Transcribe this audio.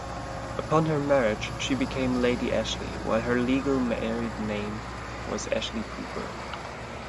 Upon her marriage, she became Lady Ashley, while her legal married name was Ashley-Cooper.